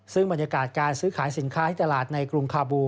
ซึ่งบรรยากาศการซื้อขายสินค้าที่ตลาดในกรุงคาบู